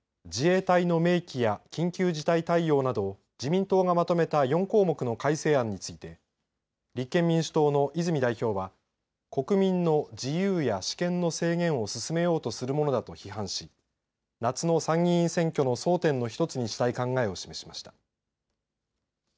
自衛隊の明記や緊急事態対応など自民党がまとめた４項目の改正案について立憲民主党の泉代表は国民の自由や私権の制限を進めようとするものだと批判し夏の参議院選挙の争点の１つにしたい考えを示しました。